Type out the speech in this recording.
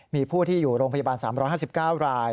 มีผู้ที่อยู่โรงพยาบาล๓๕๙ราย